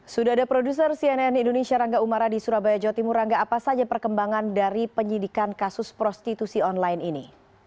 sudah ada produser cnn indonesia rangga umara di surabaya jawa timur rangga apa saja perkembangan dari penyidikan kasus prostitusi online ini